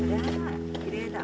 きれいだ。